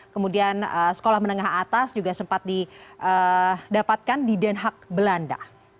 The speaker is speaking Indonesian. kemudian sekolah menengah atas juga sempat didapatkan di denhak belanda